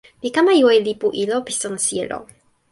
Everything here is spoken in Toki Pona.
mi kama jo e lipu ilo pi sona sijelo.